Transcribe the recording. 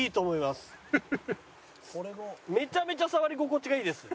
めちゃめちゃ触り心地がいいです。